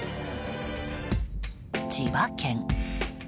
千葉県。